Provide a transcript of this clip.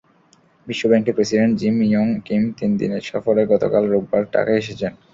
বিশ্বব্যাংকের president Jim Yong Kim তিন দিনের সফরে গতকাল রোববার ঢাকায় এসেছেন।